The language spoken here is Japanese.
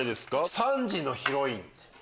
３時のヒロイン。